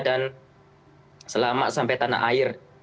dan selamat sampai tanah air